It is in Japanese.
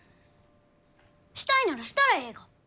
したいならしたらえいが！